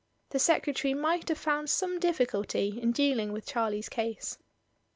The secretary might have found some difficulty in dealing with Charlie's case.